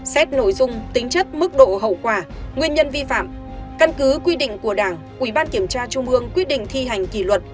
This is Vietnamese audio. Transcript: xét nội dung tính chất mức độ hậu quả nguyên nhân vi phạm căn cứ quy định của đảng ubnd quyết định thi hành kỳ luật